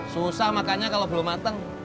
susah makannya kalo belum mateng